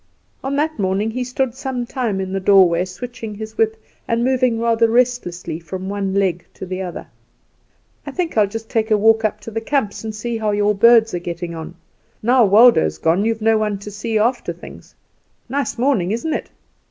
On that morning he stood some time in the doorway switching his whip, and moving rather restlessly from one leg to the other. "I think I'll just take a walk up to the camps and see how your birds are getting on. Now Waldo's gone you've no one to see after things. Nice morning, isn't it?"